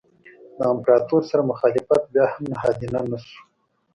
د امپراتور سره مخالفت بیا هم نهادینه نه شو.